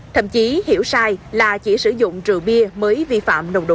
thậm chí hiểu sai là chỉ sử dụng rượu bia mới vi phạm nồng độ cồn